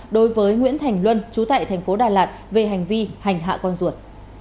đối với nguyễn thành luân trú tại thành phố đà lạt về hành vi hành hạ con ruột